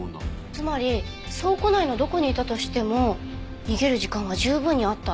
つまり倉庫内のどこにいたとしても逃げる時間は十分にあった。